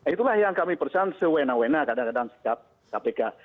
itulah yang kami pesan sewena wena kadang kadang sikap kpk